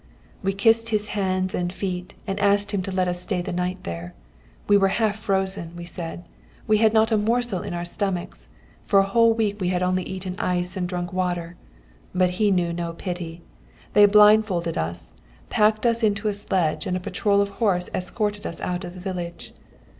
We kissed his hands and feet, and asked him to let us stay the night there. We were half frozen, we said. We had not a morsel in our stomachs: for a whole week we had only eaten ice and drunk water. But he knew no pity. They blindfolded us, packed us into a sledge, and a patrol of horse escorted us out of the village.